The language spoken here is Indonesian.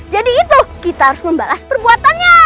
jadi itu kita harus membalas perbuatannya